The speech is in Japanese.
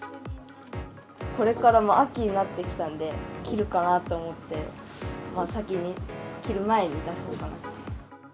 これから秋になってきたんで、着るかなと思って、先に、着る前に出そうかなと。